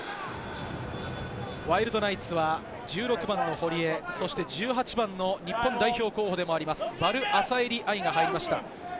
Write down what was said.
ワイルドナイツは１６番の堀江、１８番の日本代表候補でもあります、ヴァル・アサエリ愛が入りました。